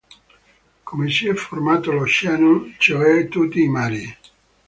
Come si è formato l'oceano, cioè tutti i mari.